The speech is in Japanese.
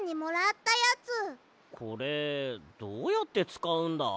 これどうやってつかうんだ？